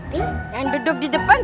dipanggil joka benk versi